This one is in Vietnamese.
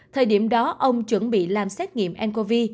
thời điểm đó ông chuẩn bị làm xét nghiệm ncov